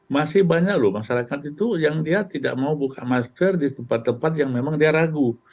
masih banyak loh masyarakat itu yang dia tidak mau buka masker di tempat tempat yang memang dia ragu